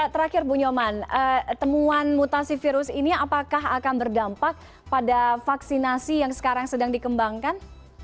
terakhir bu nyoman temuan mutasi virus ini apakah akan berdampak pada vaksinasi yang sekarang sedang dikembangkan